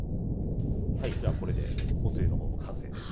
はいじゃあこれでおつゆの方も完成です。